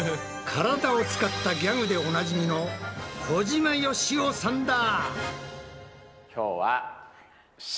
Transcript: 体を使ったギャグでおなじみの小島よしおさんだ！